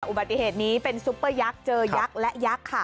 อุบัติเหตุนี้เป็นซุปเปอร์ยักษ์เจอยักษ์และยักษ์ค่ะ